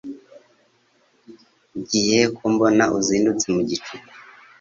Ugiyehe kombona uzindutse mugicuku